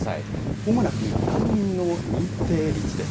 主な国の難民の認定率です。